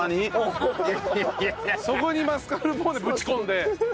そこにマスカルポーネぶち込んで。